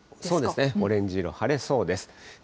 そうですね、オレンジ色、晴れそうです。